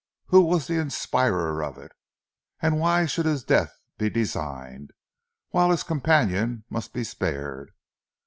Who was the inspirer of it, and why should his death be designed, whilst his companion must be spared?